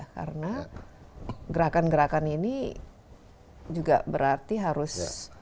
karena gerakan gerakan ini juga berarti harus